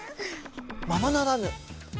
ままならぬす